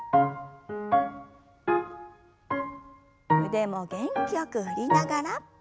腕も元気よく振りながら。